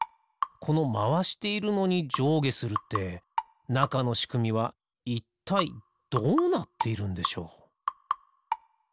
このまわしているのにじょうげするってなかのしくみはいったいどうなっているんでしょう？